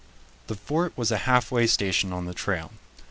] The fort was a halfway station on the trail.